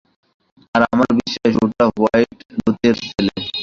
আর আমার বিশ্বাস ওটা হোয়াইট ডেথের ছেলে।